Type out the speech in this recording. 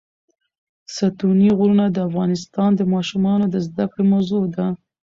ستوني غرونه د افغان ماشومانو د زده کړې موضوع ده.